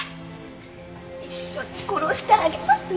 一緒に殺してあげますよ。